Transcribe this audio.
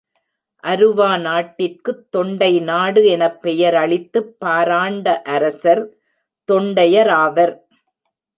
அருவா நாட்டிற்குத் தொண்டை நாடு எனப் பெயரளித்துப் பாராண்ட அரசர் தொண்டையராவர்.